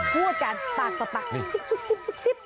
พูดกันปากปะปะซิบ